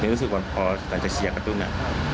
ในรู้สึกวันพอตอนจะฉีดยากกระตุ้นนะ